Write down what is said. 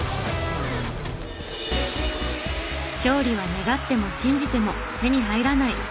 勝利は願っても信じても手に入らない。